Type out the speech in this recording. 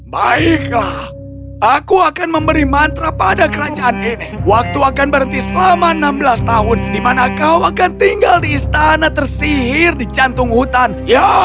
baiklah aku akan memberi mantra pada kerajaan ini waktu akan berhenti selama enam belas tahun di mana kau akan tinggal di istana tersihir di jantung hutan ya